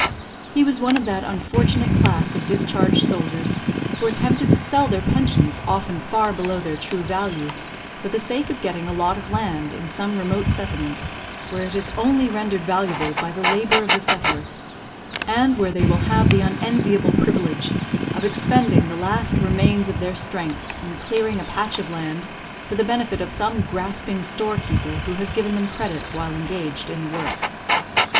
He was one of that unfortunate class of discharged soldiers who are tempted to sell their pensions often far below their true value, for the sake of getting a lot of land in some remote settlement, where it is only rendered valuable by the labour of the settler, and where they will have the unenviable privilege of expending the last remains of their strength in clearing a patch of land for the benefit of some grasping storekeeper who has given them credit while engaged in the work.